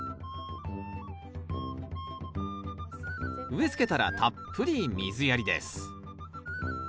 植えつけたらたっぷり水やりです。